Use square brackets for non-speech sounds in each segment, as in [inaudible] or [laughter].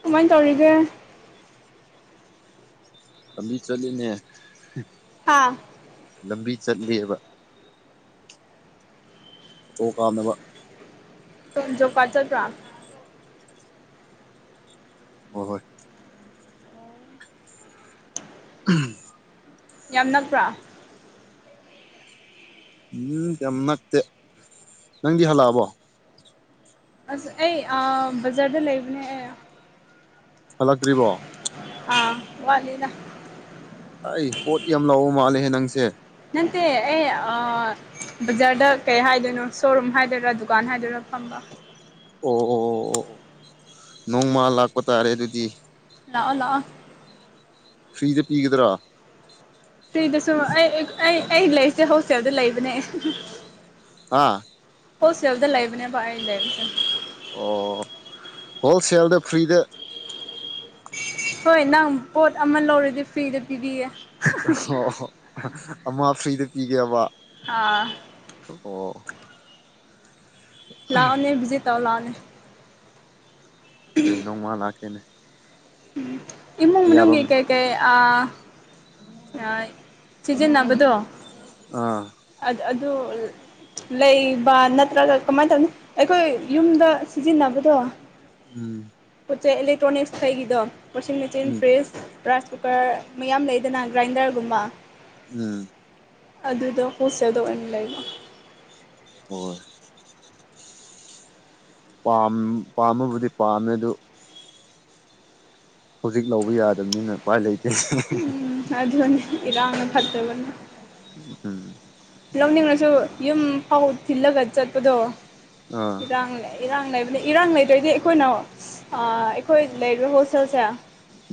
ꯀꯃꯥꯏ ꯇꯧꯔꯤꯒꯦ ꯂꯥꯝꯕꯤ ꯆꯠꯂꯤꯅꯦ ꯍꯥꯥ ꯂꯝꯕꯤ ꯆꯠꯂꯤꯕ ꯑꯣ ꯀꯥꯝꯅꯕ ꯖꯣꯞ ꯀꯠ ꯆꯠꯄ꯭ꯔꯣ ꯍꯣꯏ ꯍꯣꯏ ꯌꯥꯝ ꯅꯛꯄ꯭ꯔꯥ ꯎꯝ ꯌꯥꯝ ꯅꯛꯇꯦ ꯅꯪꯗꯤ ꯍꯜꯂꯛꯑꯕꯣ ꯑꯁ ꯑꯩ ꯑꯥ ꯕꯖꯥꯔꯗ ꯂꯩꯕꯅꯦ ꯑꯩ ꯍꯜꯂꯛꯇ꯭ꯔꯤꯕꯣ ꯑꯥ ꯋꯥꯠꯂꯤꯗ ꯑꯩ ꯄꯣꯠ ꯌꯥꯝ ꯂꯧꯕ ꯃꯥꯜꯂꯦꯍꯦ ꯅꯪꯁꯦ ꯅꯠꯇꯦ ꯑꯩ ꯑ ꯕꯖꯥꯔꯗ ꯀꯩ ꯍꯥꯏꯗꯣꯏꯅꯣ ꯁꯣꯔꯨꯝ ꯍꯥꯏꯗꯣꯏꯔꯥ ꯗꯨꯀꯥꯟ ꯍꯥꯏꯗꯣꯏꯔꯥ ꯐꯝꯕ ꯑꯣ ꯑꯣ ꯑꯣ ꯑꯣ ꯅꯣꯡꯃ ꯂꯥꯛꯄ ꯇꯥꯔꯦ ꯑꯗꯨꯗꯤ ꯂꯥꯛꯑꯣ ꯂꯥꯛꯑꯣ ꯐ꯭ꯔꯤꯗ ꯄꯤꯒꯗ꯭ꯔꯣ ꯐ꯭ꯔꯤꯗꯁꯨ ꯑꯩ ꯑꯩ ꯑꯩ ꯂꯩꯔꯤꯁꯦ ꯍꯣꯁꯇꯦꯜꯗ ꯂꯩꯕꯅꯦ ꯑꯥ ꯍꯣꯁꯇꯦꯜꯗ ꯂꯩꯕꯅꯦꯕ ꯑꯩ ꯂꯩꯕꯁꯦ ꯑꯣ ꯍꯣꯜꯁꯦꯜꯗ ꯐ꯭ꯔꯤꯗ ꯍꯣꯏ ꯅꯪ ꯄꯣꯠ ꯑꯃ ꯂꯧꯔꯗꯤ ꯐ꯭ꯔꯤꯗ ꯄꯤꯕꯤꯒꯦ ꯑꯣꯍꯣ ꯍꯣ ꯑꯃ ꯐ꯭ꯔꯤꯗ ꯄꯤꯒꯦꯕ ꯑꯥ ꯑꯣ ꯂꯥꯎꯑꯣꯅꯦ ꯕꯤꯖꯤ ꯇꯥꯎ ꯂꯥꯎꯑꯣꯅꯦ ꯀꯩ ꯅꯣꯡꯃꯥ ꯂꯥꯛꯀꯦꯅꯦ ꯎꯝ ꯏꯃꯨꯡ ꯑꯌꯥꯕ ꯃꯅꯨꯡꯒꯤ ꯀꯩ ꯀꯩ ꯑꯥ ꯌꯥꯏ ꯁꯤꯖꯤꯟꯅꯕꯗꯣ ꯑꯥ ꯑꯥ-ꯑꯗꯨ ꯂꯩꯕ ꯅꯠꯇ꯭ꯔꯒ ꯀꯃꯥꯏꯅ ꯇꯧꯅꯤ ꯑꯩꯈꯣꯏ ꯌꯨꯝꯗ ꯁꯤꯖꯤꯟꯅꯕꯗꯣ ꯎꯨꯝ ꯄꯣꯠ ꯆꯩ ꯑꯦꯂꯦꯛꯇ꯭ꯔꯣꯅꯤꯛꯁ ꯀꯩꯒꯤꯗꯣ ꯋꯥꯁꯤꯡ ꯃꯦꯆꯤꯟ ꯎꯝ ꯐ꯭ꯔꯤꯖ ꯔꯥꯏꯁ ꯀꯨꯀꯔ ꯃꯌꯥꯝ ꯂꯩꯗꯅ ꯒ꯭ꯔꯥꯏꯟꯗꯔꯒꯨꯝꯕ ꯎꯝ ꯑꯗꯨꯗꯣ [unintelligible] ꯁꯦꯗꯣ ꯑꯣꯏꯅ ꯂꯩꯕ ꯍꯣꯏ-ꯍꯣꯏ ꯄꯥꯝ ꯄꯥꯝꯕꯕꯨꯗꯤ ꯄꯥꯝꯃꯦ ꯑꯗꯨ ꯍꯧꯖꯤꯛ ꯂꯧꯕ ꯌꯥꯗꯕꯅꯤꯅ ꯎꯄꯥꯏ ꯂꯩꯇꯦ ꯍ ꯍ ꯍꯥ ꯎꯝ ꯑꯗꯨꯅꯦ ꯏꯔꯥꯡꯅ ꯐꯠꯇꯕꯅꯦ ꯎꯨꯝ ꯂꯧꯅꯤꯡꯅꯁꯨ ꯌꯨꯝ ꯐꯥꯎ ꯊꯤꯜꯂꯒ ꯆꯠꯄꯗꯣ ꯑꯥ ꯏꯔꯥꯡ ꯂꯩ ꯏꯔꯥꯡ ꯂꯩꯕꯅꯤ ꯏꯔꯥꯡ ꯂꯩꯗꯣꯏꯗꯤ ꯑꯩꯈꯣꯏꯅ ꯑꯥ ꯑꯩꯈꯣꯏ ꯂꯩꯔꯤꯕ ꯍꯣꯜꯁꯦꯜꯁꯦ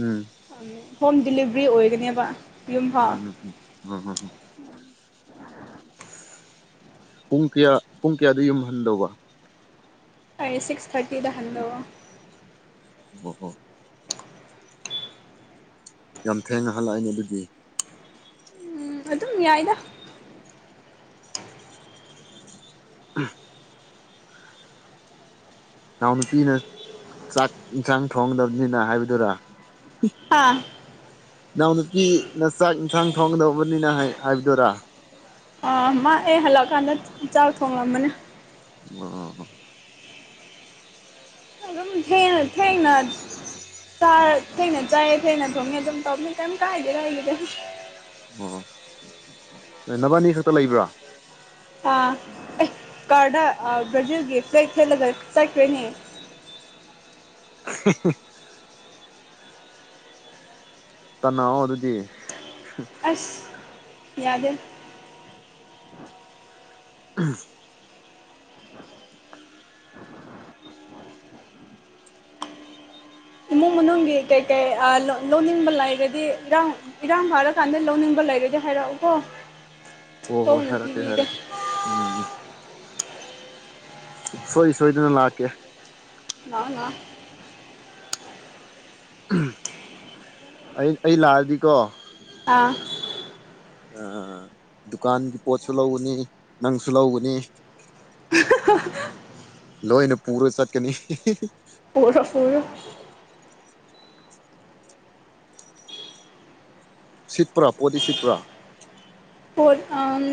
ꯎꯝ ꯍꯣꯝ ꯗꯤꯂꯤꯚꯔꯤ ꯑꯣꯏꯒꯅꯦꯕ ꯎꯝ ꯌꯨꯝꯐꯥꯎ [inaudible] ꯄꯨꯡ ꯀꯌꯥ ꯄꯨꯡ ꯀꯌꯥꯗ ꯌꯨꯝꯍꯟꯗꯧꯕ ꯑꯩ ꯁꯤꯛꯁ ꯊꯥꯔꯇꯤꯗ ꯍꯟꯗꯣꯕ ꯑꯣ ꯑꯣ ꯌꯥꯝ ꯊꯦꯡꯅ ꯍꯜꯂꯛꯑꯅꯤ ꯑꯗꯨꯗꯤ ꯎꯨꯝ ꯑꯗꯨꯝ ꯌꯥꯏꯗ ꯏꯅꯥꯎ ꯅꯨꯄꯤꯅ ꯆꯥꯛ ꯏꯟꯁꯥꯡ ꯊꯣꯡꯒꯗꯕꯅꯤꯅ ꯍꯥꯏꯕꯗꯨꯔꯥ ꯍꯥ ꯅꯥꯎ ꯅꯨꯄꯤꯅ ꯆꯥꯛ ꯏꯟꯁꯥꯡ ꯊꯣꯡꯒꯗꯧꯕꯅꯤꯅ ꯍꯥꯏ ꯍꯥꯏꯕꯗꯨꯔꯥ ꯑꯥ ꯃꯥ ꯑꯩ ꯍꯜꯂꯛꯑꯀꯥꯟꯗ ꯆ-ꯆꯥꯛ ꯊꯣꯡꯂꯝꯃꯅꯤ ꯑꯥ ꯑꯗꯨꯝ ꯊꯦꯡꯅꯥ ꯊꯦꯡꯅꯥ ꯆꯥꯛ ꯊꯦꯡꯅ ꯆꯥꯏ ꯊꯦꯡꯅ ꯊꯣꯡꯉꯦ ꯑꯗꯨꯝ ꯇꯧꯅꯤ ꯀꯩꯝ ꯀꯥꯏꯗꯦꯗꯥ ꯑꯩꯒꯤꯗꯤ ꯑꯣ-ꯑꯣ ꯅ ꯅꯕꯥꯅꯤ ꯈꯛꯇ ꯂꯩꯕ꯭ꯔꯥ ꯑꯥ ꯑꯦ ꯀꯥꯔꯗ ꯕ꯭ꯔꯔꯖꯤꯜꯒꯤ ꯐ꯭ꯂꯦꯛ ꯊꯦꯠꯂꯒ ꯆꯠꯈ꯭ꯔꯦꯅꯦ ꯑ ꯍꯤ ꯍꯤ ꯇꯥꯟꯅꯑꯣ ꯑꯗꯨꯗꯤ ꯑꯥꯁ ꯌꯥꯗ ꯎꯨꯍ [inaudible] ꯏꯃꯨꯡ ꯃꯅꯨꯡꯒꯤ ꯀꯩꯀꯩ ꯑꯥ ꯂꯣ ꯂꯣꯟꯅꯤꯡꯕ ꯂꯩꯥꯔꯗꯤ ꯏꯔꯥꯡ ꯏꯔꯥꯡ ꯐꯔꯀꯥꯟꯗ ꯂꯧꯅꯤꯡꯕ ꯂꯩꯔꯗꯤ ꯍꯥꯏꯔꯛꯎꯀꯣ ꯍꯣ ꯍꯣꯏ ꯍꯣꯡꯅ ꯍꯥꯏꯔꯛꯀꯦ ꯄꯤꯕꯤꯒꯦ ꯍꯥꯏꯔꯛꯀꯦ ꯎꯝ ꯁꯨꯛꯁꯣꯏ ꯁꯣꯏꯗꯅ ꯂꯥꯛꯀꯦ ꯂꯥꯛꯑꯣ ꯂꯥꯛꯑꯣ ꯑꯩ ꯑꯩ ꯂꯥꯛꯑꯗꯤꯀꯣ ꯑꯥ ꯑꯥ ꯗꯨꯀꯥꯟꯒꯤ ꯄꯣꯠꯁꯨ ꯂꯧꯒꯅꯤ ꯅꯪꯁꯨ ꯂꯧꯒꯅꯤ [unintelligible] ꯂꯣꯏꯅ ꯄꯨꯔ ꯆꯠꯀꯅꯤ ꯄꯨꯔꯣ ꯄꯨꯔꯣ ꯁꯤꯠꯄꯔꯥ ꯄꯣꯠꯇꯤ ꯁꯤꯠꯄꯔꯥ ꯄꯣꯠ ꯑꯝ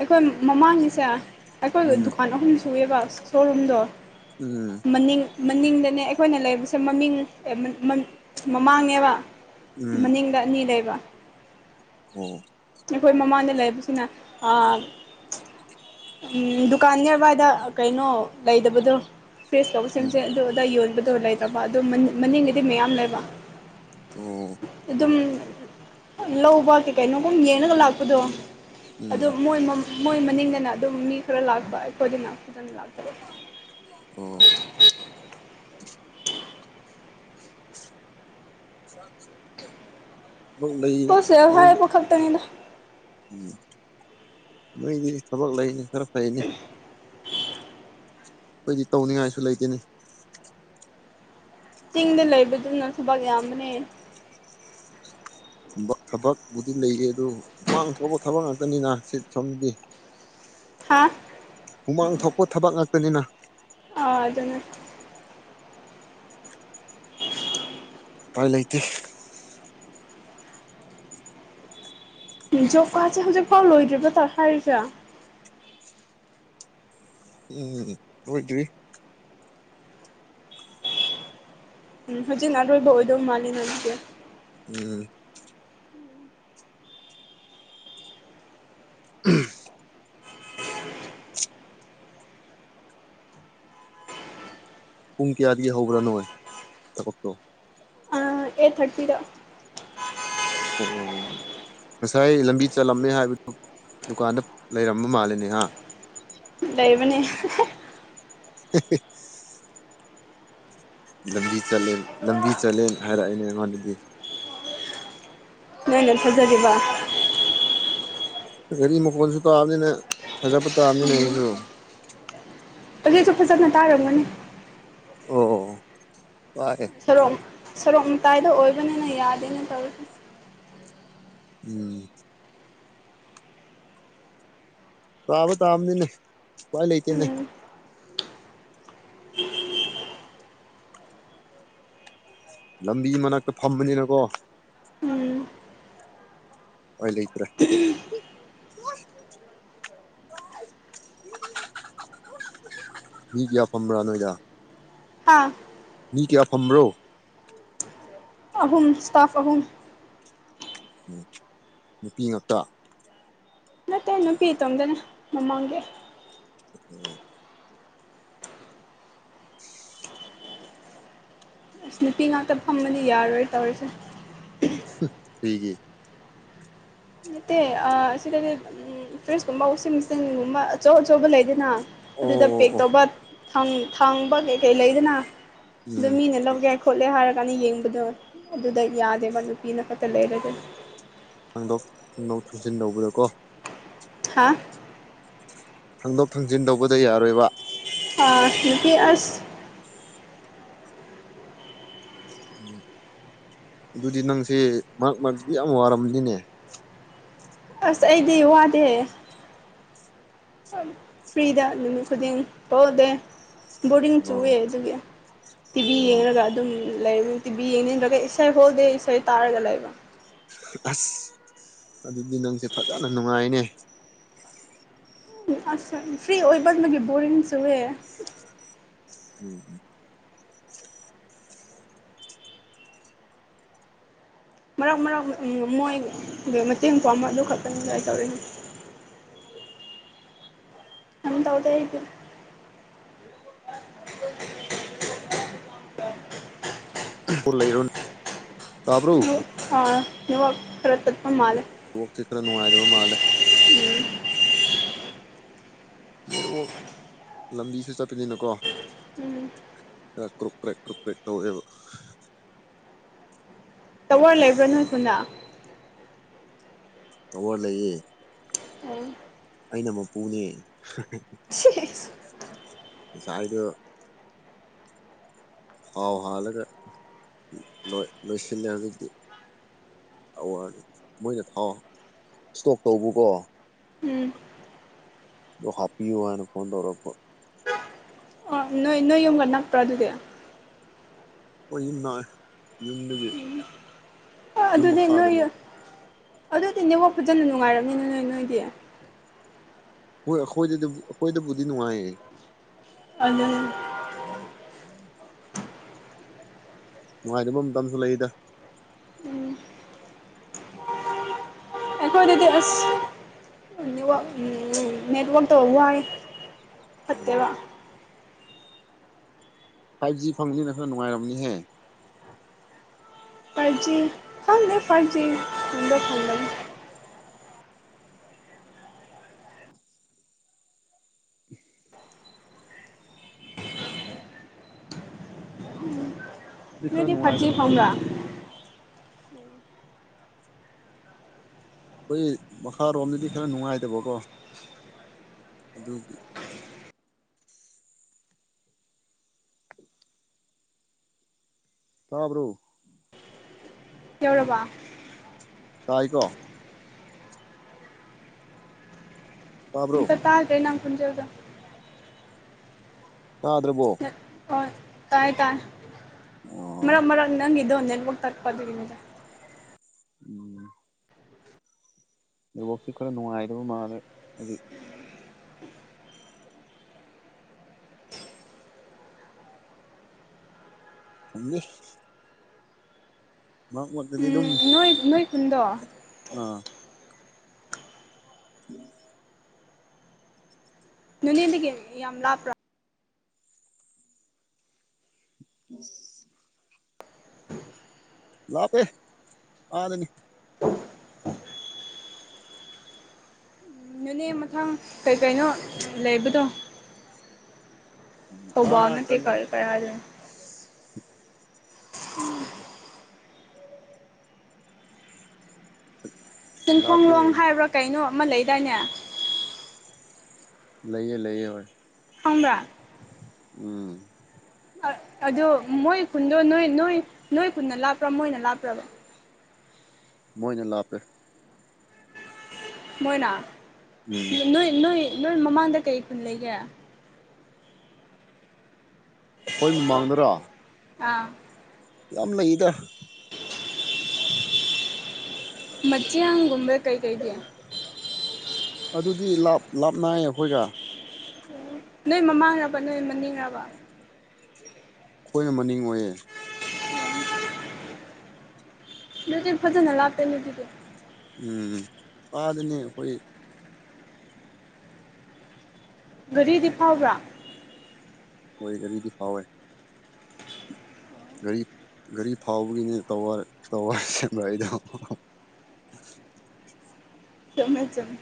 ꯑꯩꯈꯣꯏ ꯃꯃꯥꯡꯒꯤꯁꯦ ꯑꯩꯈꯣꯏꯒꯤ ꯎꯝ ꯗꯨꯀꯥꯟ ꯑꯍꯨꯝ ꯁꯨꯑꯦꯕ ꯁꯣꯔꯨꯝꯗꯣ ꯎꯝ ꯃꯅꯤꯡ ꯃꯅꯤꯡꯗꯅꯦ ꯑꯩꯈꯣꯏꯅ ꯂꯩꯕꯁꯦ ꯃꯃꯤꯡ ꯃꯃꯥꯡꯅꯦꯕ ꯎꯝ ꯃꯅꯤꯡꯗ ꯑꯅꯤ ꯂꯩꯕ ꯑꯣ ꯑꯩꯈꯣꯏ ꯃꯃꯥꯡꯗ ꯂꯩꯕꯁꯤꯅ ꯑꯥ ꯎꯝ ꯗꯨꯀꯥꯟ ꯅꯤꯌꯔꯕꯥꯏꯗ ꯀꯩꯅꯣ ꯂꯩꯗꯕꯗꯣ ꯐ꯭ꯔꯦꯁ ꯇꯧꯕ ꯎꯝ ꯁꯦꯝꯁꯦ ꯑꯗꯨ ꯑꯗꯥ ꯌꯣꯟꯕꯗꯣ ꯂꯩꯇꯕ ꯑꯗꯣ ꯃꯅꯤꯡ ꯃꯅꯤꯡꯒꯤꯗꯤ ꯃꯌꯥꯝ ꯂꯩꯕ ꯑꯣ ꯑꯗꯨꯝ ꯂꯧꯕ ꯀꯩ ꯀꯩꯅꯣꯒꯨꯝ ꯌꯦꯡꯉꯒ ꯂꯥꯛꯄꯗꯣ ꯑꯗꯨꯝ ꯎꯝ ꯃꯣꯏ ꯃꯣꯏ ꯃꯅꯤꯡꯗꯅ ꯑꯗꯨꯝ ꯃꯤ ꯈꯔ ꯂꯥꯛꯄ ꯑꯩꯈꯣꯏꯒꯤꯅ ꯐꯖꯅ ꯂꯥꯛꯇꯕ ꯑꯣ [unintelligible] [inaudible] ꯊꯕꯛ ꯂꯩ ꯄꯣꯁꯦꯕ ꯅꯣꯏ ꯍꯥꯏꯕ ꯈꯛꯇꯅꯤꯗ ꯎꯝ ꯅꯣꯏꯗꯤ ꯊꯕꯛ ꯂꯩꯅꯦ ꯈꯔ ꯐꯩꯅꯦ ꯑꯩꯈꯣꯏꯗꯤ ꯇꯧꯅꯤꯡꯉꯥꯏꯁꯨ ꯂꯩꯇꯦꯅꯦ ꯆꯤꯡꯗ ꯂꯩꯕꯗꯨꯅ ꯊꯕꯛ ꯌꯥꯝꯕꯅꯦ ꯊꯕꯛꯄꯨꯗꯤ ꯂꯩꯔꯤ ꯑꯗꯨ ꯍꯨꯃꯥꯡ ꯊꯣꯛꯄ ꯊꯕꯛ ꯉꯥꯛꯇꯅꯤꯅ ꯁꯤ ꯁꯣꯝꯗꯗꯤ ꯍꯥꯥ ꯍꯨꯃꯥꯡ ꯊꯣꯛꯄ ꯊꯕꯛ ꯉꯥꯛꯇꯅꯤꯅ ꯑꯥ ꯑꯗꯨꯅ ꯎꯄꯥꯏ ꯂꯩꯇꯦ ꯖꯣꯕ ꯀꯔꯥꯠꯁꯦ ꯍꯧꯖꯤꯛꯐꯥꯎ ꯂꯣꯏꯗ꯭ꯔꯤꯕꯇꯥ ꯍꯥꯏꯔꯤꯁꯦ ꯎꯝ ꯂꯣꯏꯗ꯭ꯔꯤ ꯎꯝ ꯍꯧꯖꯤꯛꯅ ꯑꯔꯣꯏꯕ ꯑꯣꯏꯗꯧ ꯃꯥꯜꯂꯤꯅ ꯑꯗꯨꯗꯤ ꯎꯝ ꯄꯨꯡ ꯀꯌꯥꯗꯒꯤ ꯍꯧꯕ꯭ꯔꯥ ꯅꯣꯏ ꯊꯕꯛꯇꯣ ꯑꯦꯠ ꯊꯥꯔꯇꯤꯗ ꯑꯣ ꯑꯣ ꯉꯁꯥꯏ ꯂꯝꯕꯤ ꯆꯠꯂꯝꯃꯦ ꯍꯥꯏꯕꯗꯨ ꯗꯨꯀꯥꯟꯗ ꯂꯩꯔꯝꯕ ꯃꯥꯜꯂꯦꯅꯦ ꯍꯥ ꯂꯩꯕꯅꯦ [unintelligible] ꯂꯝꯕꯤ ꯆꯠꯂꯦꯟ ꯂꯝꯕꯤ ꯆꯠꯂꯦꯟ ꯍꯥꯏꯔꯛꯏꯅꯦ ꯑꯩꯉꯣꯟꯗꯗꯤ ꯅꯪꯅ ꯊꯖꯔꯤꯕ ꯒꯥꯔꯤ ꯃꯈꯣꯜꯁꯨ ꯇꯥꯕꯅꯤꯅ ꯊꯖꯕ ꯇꯥꯕꯅꯤꯅꯦ ꯃꯤꯁꯨ ꯍꯧꯖꯤꯛꯁꯨ ꯐꯖꯅ ꯇꯥꯔꯝꯒꯅꯤ꯫ ꯑꯣ ꯇꯥꯏꯑꯦ ꯁꯣꯔꯣꯛ ꯁꯣꯔꯣꯛ ꯃꯇꯥꯏꯗ ꯑꯣꯏꯕꯅꯤꯅ ꯌꯥꯗꯦꯅꯦ ꯇꯧꯔꯤꯁꯦ꯫ ꯎꯝ꯫ ꯇꯥꯕ ꯇꯥꯕꯅꯤꯅꯦ ꯎꯄꯥꯏ ꯂꯩꯇꯦꯅꯦ꯫ ꯎꯝ ꯂꯝꯕꯤ ꯃꯅꯥꯛꯇ ꯐꯝꯕꯅꯤꯅꯀꯣ ꯎꯝ ꯎꯄꯥꯏ ꯂꯩꯇ꯭ꯔꯦ [inaudible] [inaudible] ꯃꯤ ꯀꯌꯥ ꯐꯝꯕ꯭ꯔꯥ ꯅꯣꯏꯗ ꯍꯥꯥ ꯃꯤ ꯀꯌꯥ ꯐꯝꯕ꯭ꯔꯣ ꯑꯍꯨꯝ ꯏꯁꯇꯥꯐ ꯑꯍꯨꯝ ꯎꯝ ꯅꯨꯄꯤ ꯉꯥꯛꯇ ꯑꯩ ꯅꯨꯄꯤ ꯏꯇꯣꯝꯗꯅꯦ ꯃꯃꯥꯡꯒꯤ [inaudible] [inaudible] ꯑꯁ ꯅꯨꯄꯤ ꯉꯥꯛꯇ ꯐꯝꯕꯗꯤ ꯌꯥꯔꯣꯏ ꯇꯧꯔꯤꯁꯦ ꯀꯩꯒꯤ ꯅꯠꯇꯦ ꯑ ꯑꯁꯤꯗꯗꯤ ꯎꯝ ꯐ꯭ꯔꯤꯖꯀꯨꯝꯕ ꯋꯥꯁꯤꯡ ꯃꯦꯆꯤꯟꯒꯨꯝꯕ ꯑꯆꯧ ꯑꯆꯧꯕ ꯂꯩꯗꯅ ꯑꯣ ꯑꯗꯨꯗ ꯑꯣ ꯄꯦꯛ ꯑꯣ ꯇꯧꯕ ꯊꯥꯡ ꯊꯥꯡꯕ ꯀꯩꯀꯩ ꯂꯩꯗꯅ ꯑꯗꯨꯝ ꯎꯝ ꯃꯤꯅ ꯂꯧꯒꯦ꯫ ꯈꯣꯠꯂꯦ ꯍꯥꯏꯔꯒꯥꯟꯗꯥ ꯌꯦꯡꯕꯗꯣ ꯑꯗꯨꯗ ꯌꯥꯗꯦꯕ ꯅꯨꯄꯤꯅ ꯈꯛꯇ ꯂꯩꯔꯒꯗꯤ꯫ ꯍꯪꯗꯣꯛ ꯍꯪꯗꫭꯛ ꯊꯥꯖꯤꯟ ꯇꯧꯕꯗꯀꯣ ꯍꯥꯥ ꯊꯥꯡꯗꯣꯛ ꯊꯥꯡꯖꯤꯟ ꯇꯧꯕꯗ ꯌꯥꯔꯣꯏꯕ ꯑꯥ ꯅꯨꯄꯤ ꯑꯁ ꯎꯝ ꯑꯗꯨꯗꯤ ꯅꯪꯁꯦ ꯃꯔꯛ ꯃꯔꯛꯇ ꯌꯥꯝ ꯋꯥꯔꯝꯅꯤꯅꯦ ꯑꯁ ꯑꯩꯗꯤ ꯋꯥꯗꯦ꯫ ꯐ꯭ꯔꯤꯗ ꯅꯨꯃꯤꯠ ꯈꯨꯗꯤꯡ ꯄꯥꯎꯗꯦ ꯕꯣꯔꯗꯤꯡ ꯑꯣ ꯆꯨꯋꯦ ꯑꯗꯨꯒꯤ ꯇꯤꯚꯤ ꯑꯣ ꯌꯦꯡꯔꯒ ꯑꯗꯨꯝ ꯂꯩꯕ ꯇꯤꯕꯤ ꯌꯦꯡꯅꯤꯡꯗ꯭ꯔꯒ ꯏꯁꯩ ꯍꯣꯜꯗꯦꯑ ꯏꯁꯩ ꯇꯥꯔꯒ ꯂꯩꯕ꯫ ꯑꯁ ꯑꯗꯨꯗꯤ ꯅꯪꯁꯦ ꯐꯖꯅ ꯅꯨꯡꯉꯥꯏꯅꯦ ꯎꯝ ꯑꯁ ꯐ꯭ꯔꯤ ꯑꯣꯏꯃꯥꯟꯕꯒꯤ ꯕꫭꯔꯤꯡ ꯆꯨꯋꯦ꯫ ꯎꯝ ꯎꯝ ꯃꯔꯛ ꯃꯔꯛ ꯃ ꯃꯣꯏ ꯃꯇꯦꯡ ꯄꯥꯡꯕ ꯑꯗꯨ ꯈꯛꯇꯪꯅꯤꯗ ꯑꯩ ꯇꯧꯔꯤꯅꯤ ꯌꯥꯝ ꯇꯧꯗꯦ ꯑꯩꯗꯤ ꯎꯝ ꯐꯥꯎ ꯂꯩꯔꯣꯅꯦ ꯇꯥꯕ꯭ꯔꯣ [unintelligible] ꯑꯥ ꯅꯦꯠ ꯋꯥꯛ ꯈꯔ ꯇꯠꯄ ꯃꯥꯜꯂꯦ ꯁꯤ ꯈꯔ ꯅꯨꯡꯉꯥꯏꯗꯨꯕ ꯃꯥꯜꯂꯦ ꯅꯦꯔꯣ ꯂꯝꯕꯤꯁꯨ ꯆꯠꯄꯅꯤꯅꯀꯣ ꯎꯝ ꯀ ꯀ꯭ꯔꯥꯀ꯭ꯔꯨꯛ ꯀ꯭ꯔꯦꯛꯀ꯭ꯔꯨꯛ ꯀ꯭ꯔꯦꯛ ꯇꯧꯋꯦꯕ꯫ ꯇꯥꯋꯔ ꯂꯩꯕ꯭ꯔꯥ ꯅꯣꯏ ꯈꯨꯟꯗꯥ꯫ ꯇꯥꯋꯔ ꯂꯩꯌꯦ꯫ [unintelligible] ꯑꯩꯅ ꯃꯄꯨꯅꯦ [unintelligible] ꯅꯥꯁꯥꯏꯗꯨ ꯊꯥꯎ ꯍꯥꯜꯂꯒ ꯅꯣꯏ ꯂꯣꯏꯁꯤꯟꯅꯕꯒꯤ ꯑꯋꯥ ꯃꯣꯏꯅ ꯊꯥꯎ ꯏꯁꯇꯣꯛ ꯇꯧꯕꯀꯣ ꯎꯝ ꯑꯗꯨ ꯍꯥꯞꯄꯤꯌꯣ ꯍꯥꯏꯅ ꯐꯣꯟ ꯇꯧꯔꯛꯄ ꯑꯣ ꯅꯣꯏ ꯅꯣꯏ ꯌꯨꯝꯒ ꯅꯛꯄ꯭ꯔꯥ ꯑꯗꯨꯗꯤ ꯍꯣꯏ ꯌꯨꯝꯅꯥꯏ ꯌꯨꯝꯗꯒꯤ ꯑꯥ ꯌꯨꯝ ꯑꯗꯨꯗꯤ ꯅꯣꯏ ꯃꯈꯥꯗꯅꯦ ꯑꯗꯨꯗꯤ ꯅꯦꯠꯋꯥꯛ ꯐꯖꯅ ꯅꯨꯡꯉꯥꯏꯔꯝꯅꯤꯅ ꯅꯣꯏ ꯅꯣꯏꯗꯤ ꯍꯣꯏ ꯑꯩꯈꯣꯏꯗꯗꯤꯕꯨ ꯑꯩꯈꯣꯏꯗꯕꯨꯗꯤ ꯅꯨꯡꯉꯥꯏꯌꯦ [unintelligible] ꯅꯨꯡꯉꯥꯏꯇꯕ ꯃꯇꯝꯁꯨ ꯂꯩꯗ ꯑꯩꯈꯣꯏꯗꯗꯤ ꯑꯁ ꯅꯤꯋꯥꯛ ꯅꯦꯠꯋꯥꯛ ꯇꯣ ꯋꯥꯏ ꯎꯝ ꯐꯠꯇꯦꯕ ꯐꯥꯏꯚ ꯖꯤ ꯐꯪꯕꯅꯤꯅ ꯈꯔ ꯅꯨꯡꯉꯥꯏꯔꯕꯅꯤꯍꯦ ꯐꯥꯏꯚ ꯖꯤ ꯈꯪꯗꯦ ꯐꯥꯏꯚ ꯖꯤ ꯈꯨꯟꯗꯥ ꯐꯪꯕꯥꯅꯤ ꯑꯗꯨꯗꯤ ꯈꯔ ꯅꯣꯏꯗꯤ ꯐꯥꯏꯚ ꯖꯤ ꯅꯨꯡꯉꯥꯏꯇꯕ ꯐꯪꯕꯔ ꯑꯩꯈꯣꯏ ꯃꯈꯥꯔꯣꯝꯗꯗꯤ ꯈꯔ ꯅꯨꯡꯉꯥꯏꯇꯕꯀꯣ ꯑꯗꯨꯒꯤ ꯇꯥꯕ꯭ꯔꯣ ꯌꯧꯔꯕ ꯇꯥꯏꯀꯣ ꯇꯥꯕ꯭ꯔꯣ ꯑꯃꯇ ꯇꯥꯗꯔꯦ ꯅꯪ ꯈꯣꯜꯖꯦꯜ ꯗꯣ ꯇꯥꯗ꯭ꯔꯕꯣ ꯍꯣꯏ ꯇꯥꯏ ꯇꯥꯏ ꯃꯔꯛ ꯑꯣ ꯃꯔꯛ ꯅꯪꯒꯤꯗꫭ ꯅꯦꯠ ꯋꯥꯛ ꯇꯠꯄ ꯑꯗꯨꯒꯤꯅꯤꯗ ꯎꯝ ꯅꯦꯠ ꯋꯥꯔꯛꯁꯤ ꯈꯔ ꯅꯨꯡꯉꯥꯏꯗꯕ ꯃꯥꯜꯂꯦ ꯍꯥꯏꯗꯤ ꯈꯪꯗꯦ ꯃꯔꯛ ꯃꯔꯛꯇꯗꯤ ꯎꯝ ꯑꯗꯨꯝ ꯅꯣꯏ ꯅꯣꯏ ꯈꯨꯟꯗꯣ ꯑꯥ [inaudible] ꯅꯣꯅꯦꯗꯒꯤ ꯌꯥꯝ ꯂꯥꯞꯄ꯭ꯔ [inaudible] ꯂꯥꯞꯄꯦ ꯑꯥꯗꯅꯤ ꯅꯣꯅꯦ ꯃꯊꯪ ꯀꯩꯀꯩꯅꯣ ꯂꯩꯕꯗꯣ ꯊꯧꯕꯥꯜ ꯑꯥ ꯅꯠꯇꯦ ꯆꯠꯂꯒ ꯀꯩ ꯀꯩ ꯍꯥꯏꯗꯣꯏ ꯎꯝ [inaudible] ꯆꯤꯡꯈꯣꯡ ꯂꯥꯞꯄꯦ ꯂꯣꯡ ꯍꯥꯏꯕ꯭ꯔꯥ ꯀꯩꯅꯣ ꯑꯃ ꯂꯩꯗꯥꯏꯅꯦ ꯂꯩꯌꯦ ꯂꯩꯌꯦ ꯍꯣꯏ ꯈꯪꯕꯔꯥ ꯎꯝ ꯑꯑꯗꯨꯗꯣ ꯃꯣꯏ ꯈꯨꯟꯗꯣ ꯅꯣꯏ ꯅꯣꯏ ꯅꯣꯏ ꯈꯨꯟꯅ ꯂꯥꯞꯄ꯭ꯔꯥ ꯃꯣꯏꯅ ꯂꯥꯞꯄ꯭ꯔꯕ ꯃꯣꯏꯅ ꯂꯥꯞꯄꯦ ꯃꯣꯏꯅ ꯎꯝ ꯅꯣꯏ ꯅꯣꯏ ꯅꯣꯏ ꯃꯃꯥꯡꯗ ꯀꯩ ꯈꯨꯟ ꯂꯩꯒꯦ ꯑꯩꯈꯣꯏ ꯃꯃꯥꯡꯗꯔꯥ ꯑꯥ ꯌꯥꯝ ꯂꯩꯗ [unintelligible] ꯃꯆꯤꯟꯒꯨꯝꯕꯔ ꯀꯩ ꯀꯩꯗꯤ ꯑꯗꯨꯗꯤ ꯂꯥꯞ ꯂꯥꯞ ꯅꯩ ꯑꯩꯈꯣꯏꯒ ꯅꯣꯏ ꯃꯃꯥꯡꯔꯕ ꯅꯣꯏ ꯃꯅꯤꯡꯔꯕ ꯑꯩꯈꯣꯏꯅ ꯃꯅꯤꯡ ꯑꯣꯏꯌꯦ ꯑꯗꯨ ꯐꯖꯅ ꯂꯥꯞꯄꯦ ꯂꯩ ꯑꯗꯨꯗꯤ ꯎꯝ ꯑꯥꯗꯅꯦ ꯑꯩꯈꯣꯏ ꯒꯥꯔꯤꯗꯤ ꯐꯥꯎꯕ꯭ꯔꯥ ꯍꯣꯏ ꯒꯥꯔꯤꯗꯤ ꯐꯥꯎꯋꯦ ꯒꯥꯔꯤ ꯒꯥꯔꯤ ꯐꯥꯎꯕꯒꯤꯅꯦ ꯇꯋꯥꯔ ꯇꯋꯥꯔ ꯌꯨꯡꯉꯛꯢꯗꯣ ꯆꯨꯝꯃꯦ ꯆꯨꯝꯃꯦ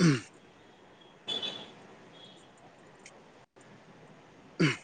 ꯎꯝ ꯎꯝ